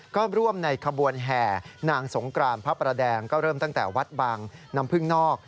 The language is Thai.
ก็ร่วมในขบวนแห่นางสงกรานพระประแดงก็เริ่มตั้งแต่วัดบางน้ำพึ่งนอก